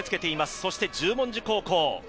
そして十文字高校。